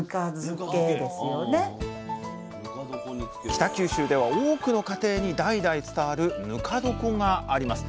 北九州では多くの家庭に代々伝わるぬか床があります。